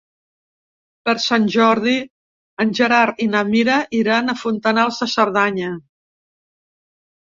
Per Sant Jordi en Gerard i na Mira iran a Fontanals de Cerdanya.